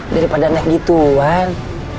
daripada naik gitu bang